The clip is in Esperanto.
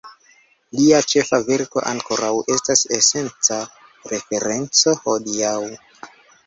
Lia ĉefa verko ankoraŭ estas esenca referenco hodiaŭ.